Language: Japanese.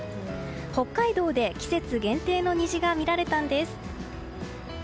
北海道で季節限定の虹が見られたんです。